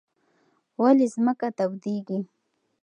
ولې ځمکه تودېږي؟